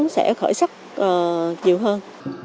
sẽ khởi sắc nhiều hơn